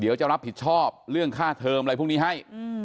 เดี๋ยวจะรับผิดชอบเรื่องค่าเทอมอะไรพวกนี้ให้